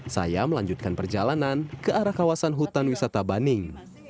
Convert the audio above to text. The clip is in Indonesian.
saya melanjutkan perjalanan ke arah kawasan hutan wisata baning